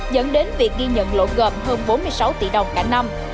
dẫn đến việc ghi nhận lộ gồm hơn bốn mươi sáu tỷ đồng cả năm